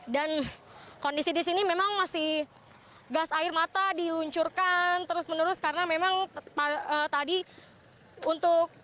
dan kondisi di sini memang masih gas air mata diuncurkan terus menerus karena memang tadi untuk dari terbunuh